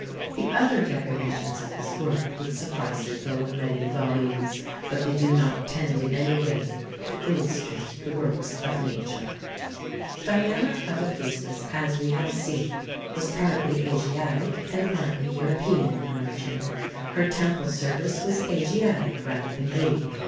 The other decorations of this work would suffice to fill many volumes, but they do not tend in any way to illustrate the works of nature. (Pliny, xxxvi., 21.) Diana of Ephesus, as we have seen, was partly Asiatic and partly European in origin; her temple service was Asiatic rather than Greek.